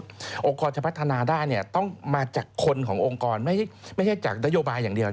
องค์กรจะพัฒนาได้ต้องมาจากคนขององค์กรไม่ใช่จากนโยบายอย่างเดียว